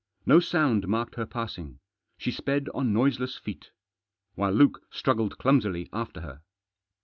No sound marked her passing. She sped on noiseless feet. While Luke struggled clumsily after her.